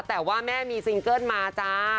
แต่ว่าแม่มีซิงเกิ้ลมาจ้า